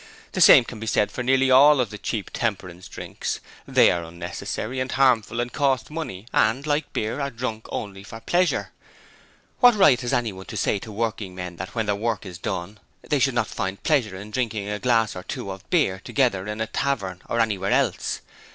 The same can be said of nearly all the cheap temperance drinks; they are unnecessary and harmful and cost money, and, like beer, are drunk only for pleasure. What right has anyone to say to working men that when their work is done they should not find pleasure in drinking a glass or two of beer together in a tavern or anywhere else?